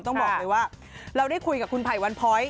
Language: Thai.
ต้องบอกเลยว่าเราได้คุยกับคุณไผ่วันพ้อย